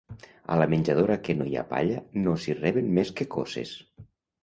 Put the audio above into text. A la menjadora que no hi ha palla no s'hi reben més que coces.